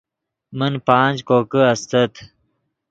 من پانچ کوکے استت